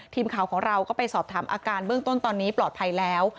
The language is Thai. ทีมข่าวของเราก็ไปสอบถามอาการเบื้องต้นตอนนี้ปลอดภัยแล้ว